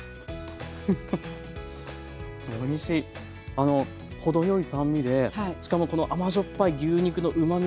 あの程よい酸味でしかもこの甘塩っぱい牛肉のうまみが